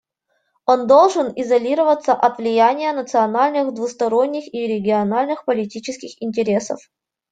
Он должен изолироваться от влияния национальных, двусторонних и региональных политических интересов.